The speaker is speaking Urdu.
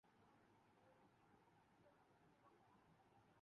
کھیت پر برسے گا